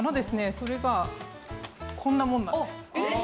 それがこんなもんなんです。